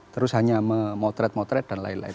terus hanya memotret motret dan lain lain